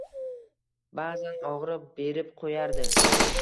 Ba’zan og‘riq berib qo‘yardi.